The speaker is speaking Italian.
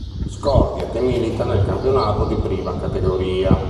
Scordia" che milita nel campionato di Prima Categoria.